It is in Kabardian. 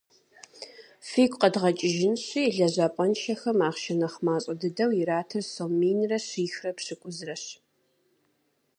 Фигу къэдгъэкӏыжынщи, лэжьапӏэншэхэм ахъшэ нэхъ мащӏэ дыдэу иратыр сом минрэ щихрэ пщӏыкӏузрэщ.